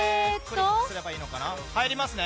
入りますね。